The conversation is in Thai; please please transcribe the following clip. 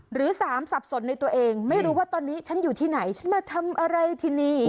หรือสามสับสนในตัวเองไม่รู้ว่าตอนนี้ฉันอยู่ที่ไหนฉันมาทำอะไรที่นี่